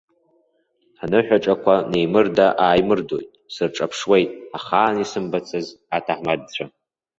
Аныҳәаҿақәа неимырда-ааимырдоит, сырҿаԥшуеит ахаан исымбацыз, аҭаҳмадцәа.